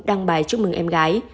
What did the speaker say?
đăng bài chúc mừng em gái